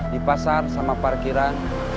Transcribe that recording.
di pasar sama parkiran